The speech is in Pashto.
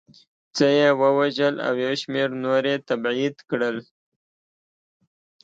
څه یې ووژل او یو شمېر نور یې تبعید کړل